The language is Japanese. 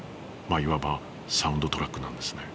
いわばサウンドトラックなんですね。